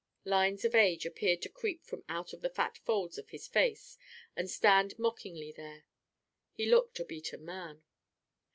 Lines of age appeared to creep from out the fat folds of his face, and stand mockingly there. He looked a beaten man.